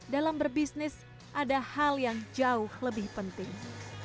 dalam berbisnis ada hal yang jauh lebih penting